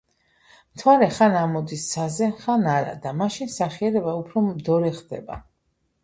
მთვარე ხან ამოდის ცაზე, ხან არა და მაშინ სახიერება უფრო მდორე ხდება